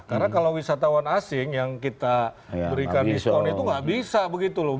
karena kalau wisatawan asing yang kita berikan discount itu nggak bisa begitu loh